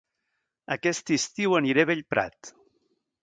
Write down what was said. Aquest estiu aniré a Bellprat